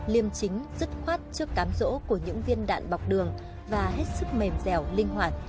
liêm chính dứt khoát trước cám rỗ của những viên đạn bọc đường và hết sức mềm dẻo linh hoạt